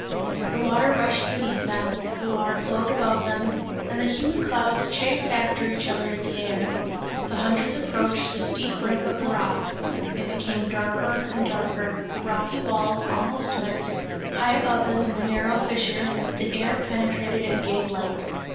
The water rushed beneath them; the water flowed above them and the humid clouds chased each other in the air. The hunters approached the steep brink of the rock; it became darker and darker, the rocky walls almost met; high above them in the narrow fissure the air penetrated and gave light.